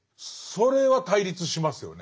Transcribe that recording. それは対立しますよね。